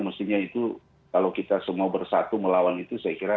mestinya itu kalau kita melakukan itu akan berhasil untuk memperbaiki kesehatan kita